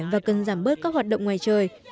và cần giảm bớt các hoạt động ngoài trời